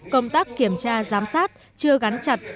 công tác kiểm tra giám sát chưa gắn chặt